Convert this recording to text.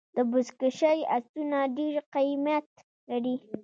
د بزکشۍ آسونه ډېر قیمت لري.